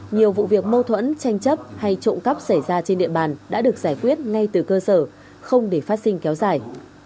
nhiều vụ việc mâu thuẫn tranh chấp hay trộm cắp xảy ra trên địa bàn đã được giải quyết ngay từ cơ sở không để phát sinh kéo dài